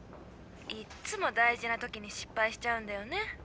いっつも大事なときに失敗しちゃうんだよね。